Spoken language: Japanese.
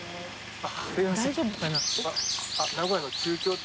大丈夫かな？